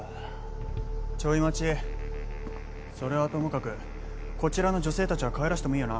ちょい待ちそれはともかくこちらの女性たちは帰らしてもいいよな？